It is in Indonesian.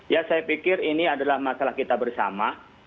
ya saya pikir ini adalah masalah kita bersama